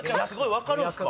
分かるんすか？